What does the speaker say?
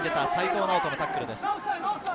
齋藤直人のタックルです。